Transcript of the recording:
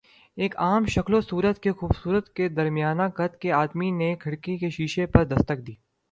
ایک عام شکل و صورت کے خوبصورت سے درمیانہ قد کے آدمی نے کھڑکی کے شیشے پر دستک دی۔